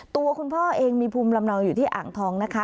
ตัวคุณพ่อเองมีภูมิลำเนาอยู่ที่อ่างทองนะคะ